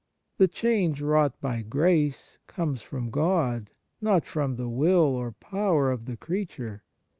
The change wrought by grace comes from God, not from the will or power of the creature.